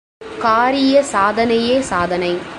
காரிய சாதனையே சாதனை.